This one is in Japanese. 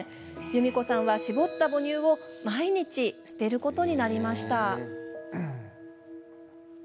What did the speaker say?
ゆみこさんは搾った母乳を毎日、捨てることになりました。